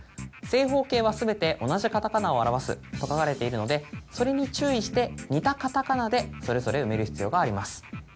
「正方形は全て同じカタカナを表す」と書かれているのでそれに注意して似たカタカナでそれぞれ埋める必要があります。